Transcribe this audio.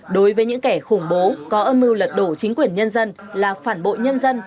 đối với những kẻ khủng bố có âm mưu lật đổ chính quyền nhân dân là phản bội nhân dân